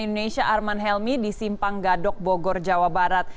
indonesia arman helmi di simpang gadok bogor jawa barat